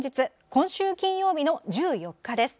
今週金曜日の１４日です。